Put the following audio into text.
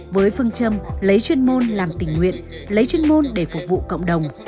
với phương châm lấy chuyên môn làm tình nguyện lấy chuyên môn để phục vụ cộng đồng